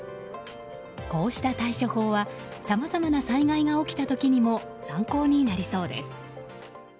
こうした対処法はさまざまな災害が起きた時にも参考になりそうです。